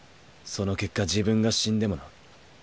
その結果自分が死んでもな。